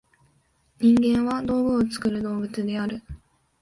人間は「道具を作る動物」である。